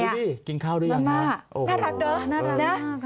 น่ารักเดอะน่ารักมากค่ะ